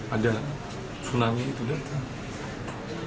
ada tsunami itu datang